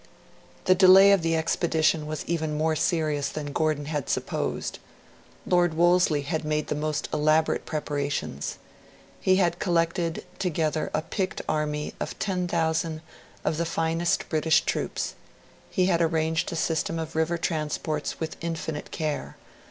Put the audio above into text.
The delay of the expedition was even more serious than Gordon had supposed. Lord Wolseley had made the most elaborate preparations. He had collected together a picked army of 10,000 of the finest British troops; he had arranged a system of river transports with infinite care.